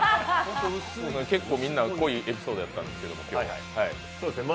結構みんな濃いエピソードだったんですけどね。